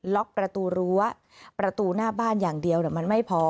ล็อกประตูรั้วประตูหน้าบ้านอย่างเดียวมันไม่พอ